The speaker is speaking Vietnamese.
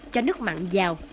cho nước mặn vào